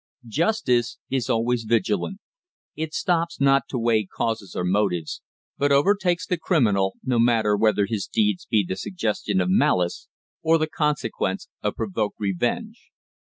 Justice is always vigilant it stops not to weigh causes or motives, but overtakes the criminal, no matter whether his deeds be the suggestion of malice or the consequence of provoked revenge.